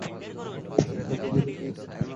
তাদের হৃদয় ভয়াতুর হত।